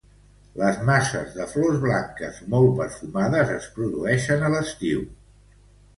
Les masses de flors blanques molt perfumades es produïxen a l'estiu.